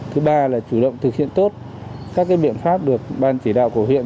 thứ ba là chủ động thực hiện tốt các biện pháp được ban chỉ đạo của huyện